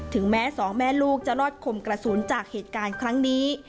แม้สองแม่ลูกจะรอดคมกระสุนจากเหตุการณ์ครั้งนี้